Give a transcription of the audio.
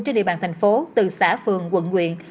trên địa bàn thành phố từ xã phường quận quyện